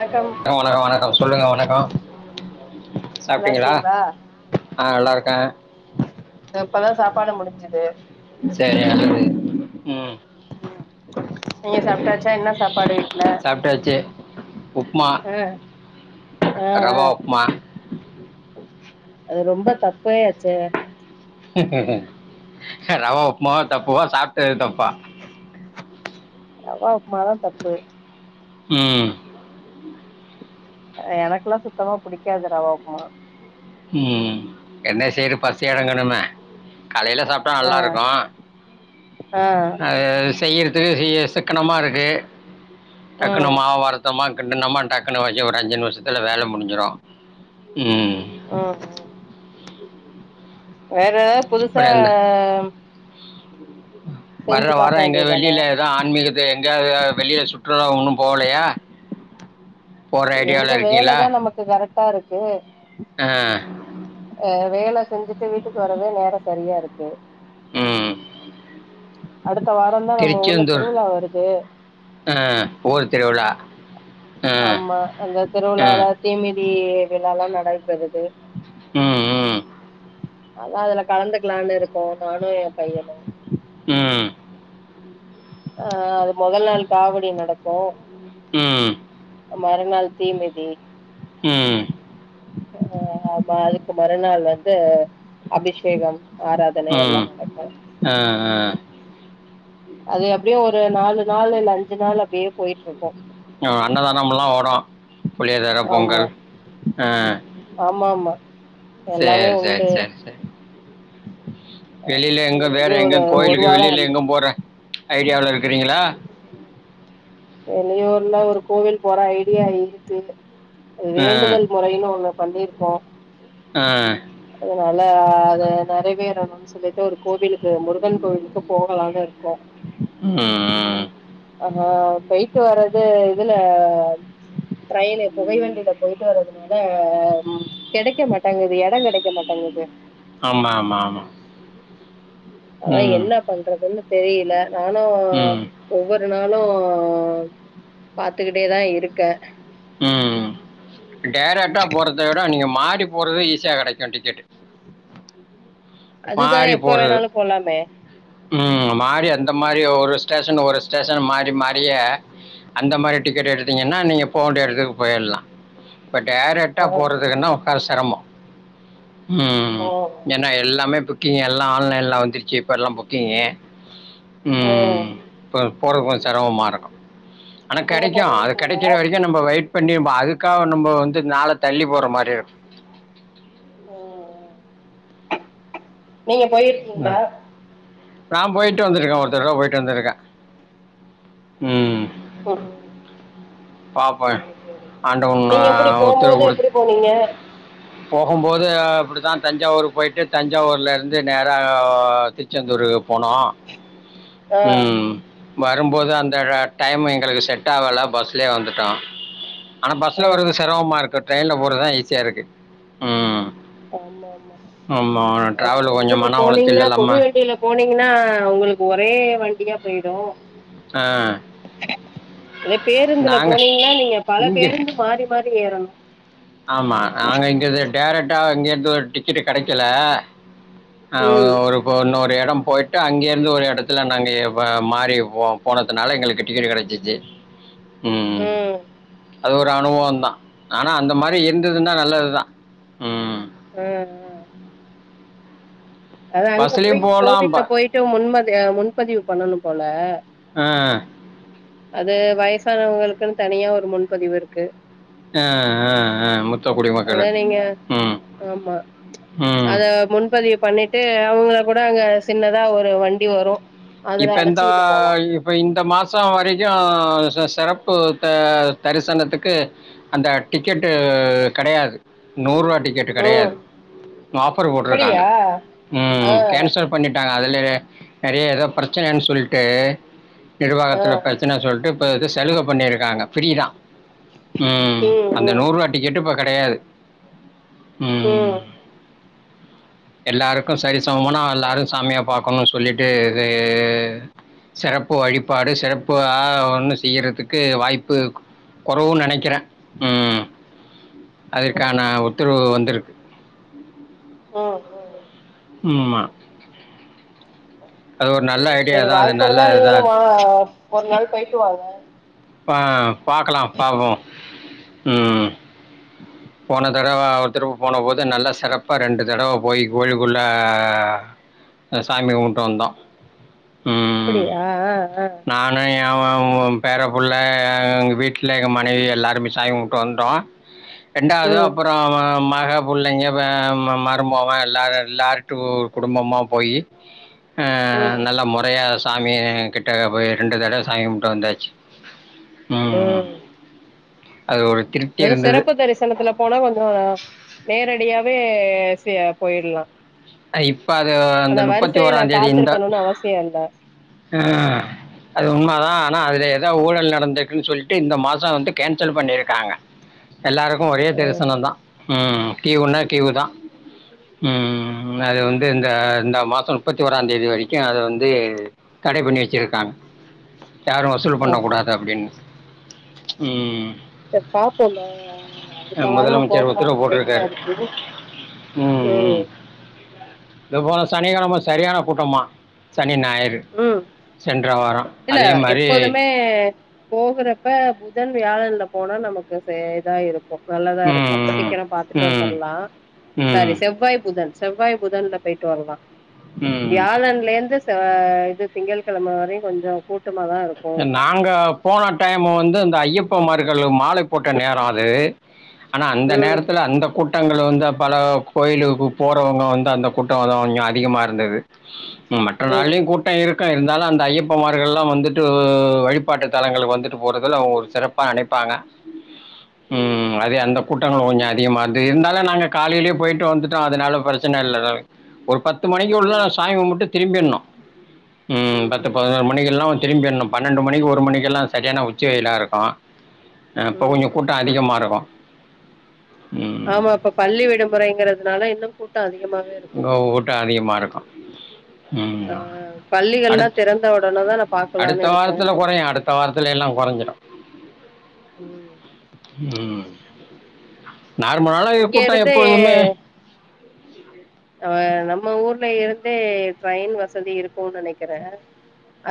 வணக்கம் ஆ வணக்கோ வணக்கோ சொல்லுங்க வணக்கோ நல்லா சாப்ட்டீங்களா இருக்கீங்களா ஆஹ் நல்லா இருக்கே இப்பதா சாப்பாடு முடிஞ்சுது சரி அது உம் உம் நீங்க சாப்ட்டாச்சா என்ன சாப்பாடு வீட்ல சாப்பிட்டாச்சு உப்புமா ஆ ஆ ஆ ரவா உப்மா அது ரொம்ப தப்பே ஆச்சே ரவா உப்மாதா தப்புவா சாப்ட்டது தப்பா ரவா உப்மாதா தப்பு உம் எனக்கெல்லா சுத்தமா புடிக்காது ரவா உப்மா உம் என்ன செய்றப் பசி அடங்கணும காலையில சாப்ட்டா நல்லா ஆ இருக்கும் ஆ செய்யர் இது செய்ய சிக்கனமா இருக்கு டக்குனு ம் மாவார்தமா கிண்டுனோமா டக்குனு வச்சு ஒரு அஞ்சு நிமிஷத்துல வேலை முடிஞ்சிடும் உம் ஹ ஹ வேற புதுசா உம் வர்ற செஞ்சு பாக்க வாரோ எங்க வேண்டியதான வெளியில ஏதா ஆன்மீகத்த எங்காது வெளியில சுற்றுலா ஒன்னும் போலயா எங்க வேலதா நமக்கு கரெக்ட் டா இருக்கு ஆ அ வேல செஞ்சுட்டு வீட்டுக்கு வரவே நேரம் சரிய இருக்கு ம் அடுத்த வாரந்தா நம்ம ஊர்ல திருச்செந்தூர் திருவிழா வருது ஆஹ் ஊர் திருவிழா ஆ ஆமா அந்த ஆ திருவிழால தீமித் இடி விழாலாம் நடைபெறுது ம்ம் அதான் அதுல கலந்துக்கலானு இருக்கோம் நானும் என் பையனும் ம் ஆஹ் அது முதல் நாள் காவடி நடக்கும் ம் மறுநாள் தீமிதி ம் ஆ ஆமா அதுக்கு மறுநாள் வந்து அபிஷேகம் ஆராதனை எல்லா உம் நடக்கு ஆஹ் ஆஹ் அது எப்டியும் ஒரு நாலு நாள் இல்ல அஞ்சு நாள் அப்டியே போயிட்ருக்கும் ஹ அன்னதானமெல்லாம் ஓடும் புளிய தர ஆமா பொங்கல் அஹ் ஆமா ஆமா எல்லாமே செரி செரி உண்டு செரி செரி வெளில அது எங்கும் வேற எப்டியு ஒரு எங்கும் ஒரு கோயிலுக்கு வாரோ வெளில வந்துரு எங்கும் போற ஐடியாவுல இருக்குறீங்களா வெளியூர்ல ஒரு கோவில் போற ஐடியா இருக்கு அது ஆ வேண்டுதல் மொறைனு ஒன்னு பண்ணிருக்கோம் ஆஹ் அதனால அது நெறைவேரணுன்னு சொல்லிட்டு ஒரு கோவிலுக்கு முருகன் கோவிலுக்கு போகலாண்ணு இருக்கோ ம். ஆ ஹா போய் போறது இதுல ட்ரெயினு புகைவண்டியில போயிட்டு வறதுனால ம் கெடைக்க மாட்டேங்குது எடோ கெடைக் க்க மாட்டிங்கிது ஆமா -ஆமா -ஆமா அனா ம். என்ன பண்றதுன்னு தெரியல நானும் ம். ஒவ்வொர் வொரு நாளும் பாத்துக்கிட்டேதா இருக்க உம் டைரக்டா போறத விட நீங்க மாறி போறது ஈஸியா கெடைக்கு டிக்கெட் அதுதா மாறி எப்ப போற வேணாலு போலாமே உம் மாறி அந்த மாரி ஒரு ஸ்டேஷன் ஒரு ஸ்டேஷன் மாறி -மாறியே அந்த மாரி டிக்கெட் எடுத்தீங்கன்னா நீங்க போவேண்டிய எடத்துக்கு போயர்லா இப்ப டைரக்டா ஆ போறதுக்குன்னா [unintelligible] செரமோ உம் ஓ ஏன்னா எல்லாமே புக்கிங் எல்லா ஆன்லைன்ல வந்துருச்சு இப்போ எல்லாம் புக்கிங்கு ம் இப்ப போறக்கு கொஞ்ச சிரமமா இருக்கு ஆனா நீங்க கெடைக்கு அது போயிருக்கீங்களா கெடைக்கிற வரைக்கு நம்ப வெயிட் பண்ணி அதுக்காக நம்ப வந் து நாள தள்ளி போற மாரி ஆ ஆ நீங்க போயிருக்கீங்களா நா போயிட்டு வந்திருக்கே ஒரு தடவ போயிட்டு வந்திருக்கே உம் பார்ப்பேன் செரி -செரி ஆண்டவன் நீங்க எப்டி ஆஹ், உத்தரவு போகும்போது கொடு எப்டி போனீங்க போகும்போது அப்பிடிதா தஞ்சாவூர் போயி்ட்டு தஞ்சாவூர்லேருந்து நேரா திருச்செந்தூரு போனா ஆ உம் வரும்போது அந்த அ டைம் எங்களுக்கு செட் ஆகல பஸ் லே வந்துட்டோ ஆனா ஆ ஆ பஸ்ல வருது சிரமமா இருக்கு ட்ரெயின்ல போறதுதா ஈசி செரிக்கு உம் ஆமாம் ஆமா ஆஹ் ட்ராவலில் கொஞ்சம் இதுல மன உளைச்சல் போனீங்கன்னா புகை இல்லாமல் வண்டியில போனீங் ஏன்னா உங்களுக்கு ஒரே வண்டியா போயிடு ஆ அதே பேருந்துல நாங்க போனீங்கன்னா நீங்க பல இங்க பேருந்து மாறி- மாறி ஏறணு ஆமா நாங்க இங்க டேரக்ட் ட்டா இங்க இருந்து ஒரு டிக்கெட்டு் கெடைக்கல ம் ஆஹ் ஒரு இப்ப இன்னொரு சம் போயிட்டு அங்க இருந்து ஒரு இடத்துல நாங்க மாறி போனதுனால எங்களுக்கு டிக்கெட் கிடைச்சிச்சி உம் ம் அது ஒரு அனுபவம் தான் ஆனா அந்த மாத் அ இருந்ததுனா நல்லதுதா ஹ ஹ [inaudible] அத அங்க போய் பஸ்லயும் போகலாம் ப கோவில்ல போயிட்டு முன்மதி முன்பதிவு பண்ணணும் போல ஆ அது வயசானவங்களுக்குன்னு தனியா ஒரு முன்பதிவு இருக்கு ஆ ஆ ஆ முத்த அதான் குடிமக்களுக்கு நீங்க ம் ஆமா அத ம் முன்பதிவு பண்ணிட்டு அவுங்க இப்பக் கூட அங்க சின்னதா ஒரு வண்டி வரு இப்ப அதுல இந்த அழைச்சிக்கிட்டு போலா இப்ப இந்த மாசம் [unintelligible] வரைக்கும் சி சிறப்பு த தரிசனத்துக்கு அந்த டிக்கெட்டு கெடையாது நூறூபா டிக்கெட் ம் கெடையாது ஆஃபர் போட்ருக்காங்க அப்படியா ஆ ம் கேன்சல் பண்ணிட்டாங்க அது எப்டி [unintelligible] நெறைய எதோ பிரச்சனைன்னு சொல்ட்டு ஆ நிர்வாகத்தில பிரச்சனை சொல்ட்டு இப்ப இது சலுக பண்ணிருக்காங்க ஃப்ரீதா உம் ம் அந்த ம் நூறூபா டிக்கெட்டு இப்ப கெடையாது உம் எல்லாருக்கும் சரி அங்க போனா ம் எல்லாரும் சாமிய பா அவுங்க சொல்லிட்டு அது செறப்பு வழிபாடு செறப்பா ஆஹ் ஒன்னும் செய்யறதுக்கு வாய்ப்பு கொரவு நெனைக்கிறேன் அதற்கான உத்தரவு வந்துருக்கு ம் ம் ம்மா சரி ஐடியா சரி தான் அது வாய்ப்பு இருந்தா நல்ல நீங்களு இதாக வாங்க ஒரு நாள் போயிட்டு வாங்க பா பாக்கலா பாப்போ உம் போன தடவ ஒருத்திருப்பு போன போது நல்லா செறப்பா ரெண்டு தடவை போய் கோயில்க்குள்ள சாமி கும்புட்டு வந்தோம் ம் அப்டியா நானு [unintelligible] பேர புள்ள எங்க வீட்ல எங்க மனைவி எல்லாருமே சாமி கும்முட்டு வன்டோம் ரெண்டாவது ம் அப்புறோ மா கா புள்ளைங்க மருமோவே எல்லார எல்லாரி டூ ஒரு குடும்பமா போயி ஆ ம் நல்ல முறையா சு சாமியே [inaudible] [inaudible] போய் ரெண்டு தடவ சாமி கும்முட்டு வந்தாச்சு ம். உம் அது ஒரு திருப்தி அது இருந்தது சிறப்பு தரிசனத்துல போனா கொஞ்சம் நேரடியா வே சே போயிடலாம் ஐ இப்ப அது அந்த நுப்பத்தி ஓராம் தேதி காத்திருக்கணுனு அவசியோ இல்ல [inaudible] ஹ அது உண்ம தா ஆனா அதுல ஏதோ ஊழல் நடந்திருக்குன் சொல்ட்டு இந்த மாசம் வண்டு கேன்சல் பண்ணியிருக்காங்க எல்லாருக்கும் ஒரே ம் தரிசனம் தான் ம்ம் கியூனா க்யூ தா ம் ம் அது வந்து இந்த இந்த மாசம் முப்பத்திஓராம் தேதி வரைக்கும் அது வந்து தடை பண்ணிவச்சிருக்காங்க யாரும் வசூல் ஆ பண்ண கூடாது அப்படின்னு உம் சரி பாப்போம்ல அடுத்த வாரம் முதலமைச்சர் போகலானு உத்தரவு ஒரு ஐடியா போட்டிருக்காரு இருக்கு ம் ம் உம் இது போல சனிக்கிழமை சரியான கூட்டமா சனி னி நாயரு ம் சென்றவாரம் இல்ல எப்போதுமே போகுறப்ப புதன் வியாழன்ல போனா நமக்கு சே இதா இருக்கும் நல்லதா இருக்கும் ம் ம், சீக்கிரம் பாத்துட்டு ம் வந்துரலாம் சாரி ம் செவ்வாய் புதன் செவ்வாய் புதன்ல போயிட்டு வரலா ம் வியாழன்ல இருந்து ஹா இது திங்கள் கிழம வரையும் கொஞ்சோ கூத் நாங்க போன டைம் வந்து இந்த ஐயப்ப மார்கள் மாலை போட்ட நேரோ அது ஆனா அந்த ம் நேரத்தில்ல அந்த கூட்டங்கள் வந்து பல கோயிலுக்கு போறவங்க வந்து அந்த குட்டம் கொஞ்சம் அதிகமா இருந்துது மற்ற ம் நாள்ளையும் கூட்டம் இருக் ங்க இருந்தாலு அந்த ஐயப்பமார்கள்லா வந்து டூ வழிபாட்டு தலங்களுக்கு வந்துட்டு போறதுல அவங்க ஒரு சிறப்பா நினைப்பாங்க ம் உம் அதே அந்த கூட்டங்களும் கொஞ்ஞா டீமார்ட்டூ இருந்தாலும் நாங்க காலையிலயே போயிட்டு வந்துட்டோம் அதனால பிரச்சனை இல்லட ஒரு பத் பத்து மணிக்குள்ள ம் சாமி கும்புட்டு திரும்பிரனும் ம் பத்து பதனோரு மணிக்கெல்லா திரும்பின்னும் பன்னெண்டு மணிக்கு ஒரு மணிக்கெல்லாம் சரியான உச்சி வெயிலா இருக்கூ ஆ இப்ப ம் கொஞ்சம் கூட்டம் அதிகமா இருக்கும் ம். ஆமா இப்ப பள்ளி விடுமுறைங்கிறதுனால இன்னும் கூட்டம் அதிக ங்க கூட்டம் அதிகமா இரு அ ம் ஆ அ பள்ளிகள்லா அடுத் திறந்த உடனேதா நா அடுத்த பாக்கலான்னு இருக்கே வாரத்துல கொறையு அடுத்த வாரத்துல எல்லாம் கொறைஞ்சிடு ம் [inaudible] ம் நார்மலான இக் இங்க கூட்டம் இருந்து எப்பொழுதுமே ஆ நம்ம ஊர்ல இருந் டே ட்ரெயின் வசதி இருக்கும்னு நெனைக்கிற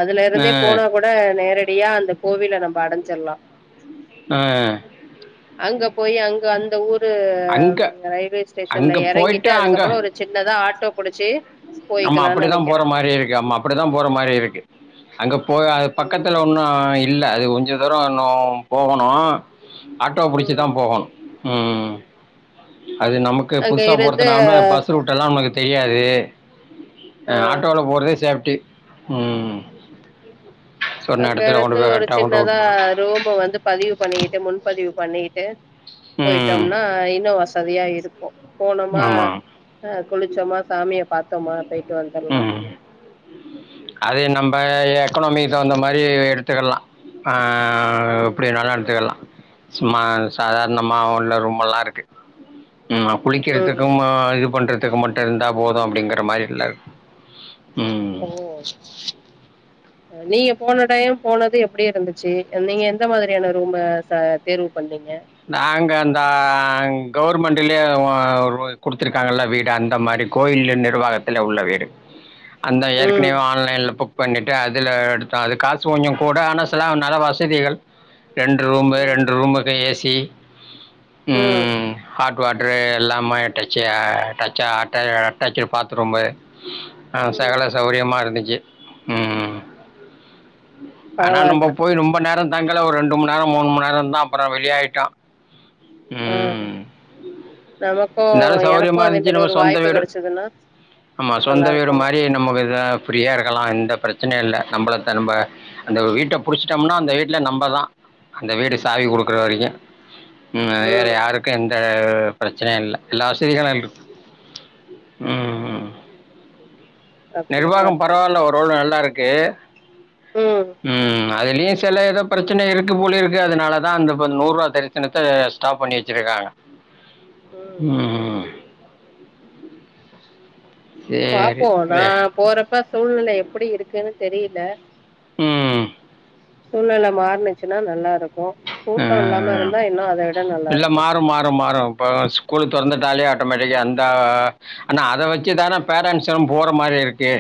அதுல இருந்தே போனா கூட நேர அப்டியா அந்த கோவில நம்ப அடைஞ்சிரலா ஆ அங்க போயி அங்க அந்த ஊர் து அங்கே ரயில்வே ஸ்டேஷன்ல அங்கே எறங்கிட்டு அதுக்கப்புறம் ஒரு சின்னதா ஆட்டோ புடிச்சு ஆமா போய்க்கலான்னு அப்படிதா போற நெனைக்கிறே மாரி இருக்கு ஆமா அப்படிதா போற மாரி இருக்கு அங்கப் போய் அது ம் பக்கத்தில ஒன்னு இப் இல்ல அது கொஞ்ச தூரோ இன்னு போகணு ஆட்டோ ம் பிடிச்சிதா போகணு உம் அது நமக்கு அங்க புதுசா இருந்து போறதுனால பஸ் ரூட்ட எல்லா நமக் தெரியாது ஆ ஆட்டோல போறதே சேப் டி உம் அங்க இருந்து ஒரு சின்னதா விட்டுரும் ரூமு வந்து பதிவு பண்ணிக்கிட்டு முன் பதிவு பண்ணிட்டு ம் போயிட்டோம்னா இன்னு வஸ் சரியா இருக்கு போனமா ஆமாம் ஹ குளிச்சமா சாமிய பாதோமா போய்ட்டு வந்தர்லாம் ம் எக்கனாமிக் தகுந்த மாரி எடுத்துக்கலாம் ஹ ஆஹ் ம் எப்டி வேணாலும் எத்துக்கலாம் சும்மா சாதாரணமா உள்ள ரூம் எல்லாம் இருக்கு உம் குழிக்கிறதுக்க ம் ம இது பண்றது இத்துக்கு மட்டும் இருந்தா போதும் அப்படிங்கிற மாரி இல்ல இருக்கு உம் ஓ நீங்க போன டைம் போனது எப்டி இருந்துச்சு நீங்க எந்த மாதிரியான ரூம்ம ச தேர்வு பண்ணீங்க நாங்கந்தா கவர்மெண்ட்லயே ஓ குடுத்துருக்காங்கல்ல வீடு அந்த மாதிரி கோயில் நிர்வாகத்துல உள்ள வீடு அந்த ம் ஏற்கனையவே ஆன்லைன்ல புக் பண்ணிட்டு அதுல எடுத்தோம் அது காசு கொஞ்சம் கூட ஆனா சில நல்ல வசதிகள் ரெண்டு ரூமு ம் ரெண்டு ரூமுக்கு ஏசி சீ ம் [unintelligible] எல்லாமே டச்ச டச்ச அது அட்டாச்ச பாத் ரூம்பு ஆஹ் ம் சகல சௌரியமா இருந்துச்சு உம் ஆனா நம்ப பரவால்ல போய் ரொம்ப நேரம் அங்கல ஒரு ரெண்டு மண் நேரம் மூணு மண் நேரம் இருந்தோம் அப்புறம் வெளியாய்ட்டோம் ஆ உம் நமக்கு இருதாலும் எனக்கு சௌரியமா அதே இருந்துச்சு மாரி நம்ம ஒரு சொந்த வாய்ப்பு வீடு கெடச்சதுன்னா ஆமா சொந்த நல்லா வீடு இருக்கு மாரி நமக்கு இத பிரியா இருக்கலாம் எந்த பிரச்சனயும் இல்ல நம்மள நம்ப அந்த வீட்ட புடிச்சிட்டோம்னா அந்த வீட்டுல நம்பதான் அந்த வீடு சாவி குடுக்குற ம் வரைக்கும் வேறு ம் யாருக்கும் எந்த ஹ பிரச்சனை இல் எல்லா வசதிகளு அதுல் இரு ஹ நிர்வாகம் பரவால்ல ஓரளவுக்கு நல்லா இருக்கு கே ம் உம் அ அது இனிஷியலா ஏதோ பிரச்சனை இருக்கு போலிருக்கு அதனாலதான் அந்த இப்ப நூரூவா தரிசனத்த ஸ்டாப் பண்ணி வச்சிருக்காங்க உம் உம் சரி பாப்போம் வே நான் போறப்ப சூழ்நில எப்டி இருக்குன்னு தெரில உம் சூழ்நில மாற்னுச்சுன்னா நல்லா இருக்கும் உம் விட நல்லா இல்ல இருக்கு மாறும்-மாறும்-மாறும் இப்ப ஸ்கூலு திறந்து தலே ஆட்டோமேட்டிக்கா அந்தத அத வெச்சிதானே பெரன்ட்ஸ்ஸும் போற மாதிரி இருக்கு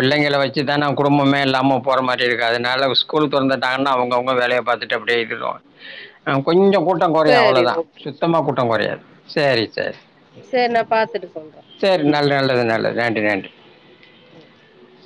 ம் வச்சிதனே குடும்பமே இல்லாம போற மாதிரியிருக்கு அதனால ஸ்கூல் தொறந்துட்டாங்கனா அவுங்க- அவுங்க வேலையை பாத்துட்டு அப்படியே இதுதான் கொஞ்சம் கூட்டம் குறையும் சரி அவ்ளவுதான் ஓகே சுத்தமா கூட் [unintelligible] குறையாது செரி-செரி செரி நான் பாத்துட்டு சொல்றேன் உம் ரெண்டி ஆன்ட்டி [inaudible]